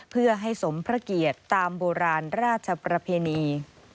เพื่อให้สมพระเกียรติตามโบราณราชประเพณี